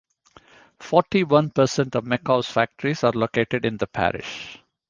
Forty-one percent of Macau's factories are located in the parish.